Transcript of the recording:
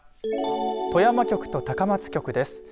富山局と高松局です。